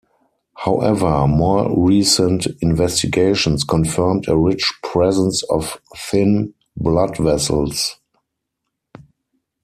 However, more recent investigations confirmed a rich presence of thin blood vessels.